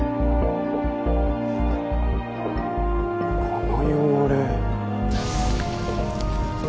この汚れ。